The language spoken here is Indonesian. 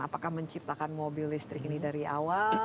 apakah menciptakan mobil listrik ini dari awal